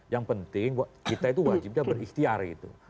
yang penting kita itu wajibnya beristiar itu